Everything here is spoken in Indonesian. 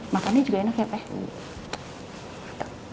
makannya juga enak ya pak